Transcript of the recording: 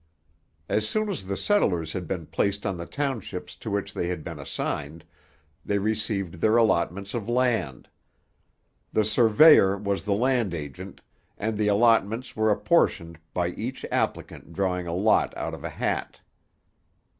As soon as the settlers had been placed on the townships to which they had been assigned, they received their allotments of land. The surveyor was the land agent, and the allotments were apportioned by each applicant drawing a lot out of a hat.